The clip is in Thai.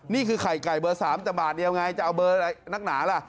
นี่คือไข่ไก่เบอร์๓แต่บาทเดียวไงจะเอาเบอร์อะไรนักหนาล่ะ